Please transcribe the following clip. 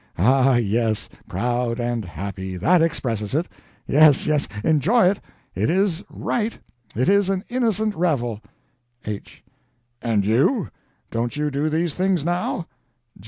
Ah, yes, proud and happy that expresses it. Yes yes, enjoy it it is right it is an innocent revel. H. And you? Don't you do these things now?